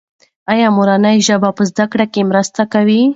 ایا مورنۍ ژبه په زده کړه کې مرسته کوي؟